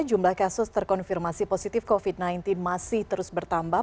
jumlah kasus terkonfirmasi positif covid sembilan belas masih terus bertambah